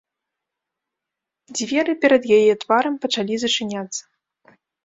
Дзверы перад яе тварам пачалі зачыняцца.